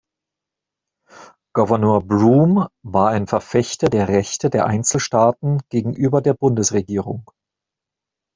Gouverneur Broome war ein Verfechter der Rechte der Einzelstaaten gegenüber der Bundesregierung.